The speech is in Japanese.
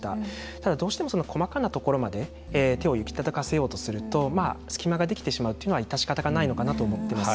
ただ、どうしても細かなところまで手を行き届かせようとすると隙間ができてしまうっていうのは致し方ないのかなと思っています。